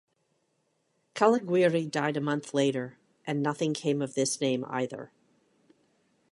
Caliguiri died a month later, and nothing came of this name, either.